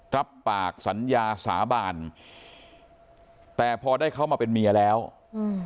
รับปากสัญญาสาบานแต่พอได้เขามาเป็นเมียแล้วอืม